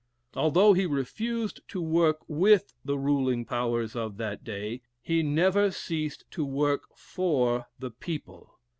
Although he refused to work with the ruling powers of that day, he ever ceased to work for the _people!